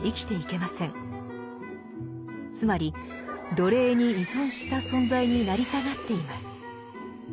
つまり奴隷に依存した存在に成り下がっています。